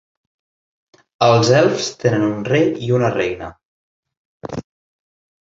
Els elfs tenen un rei i una reina.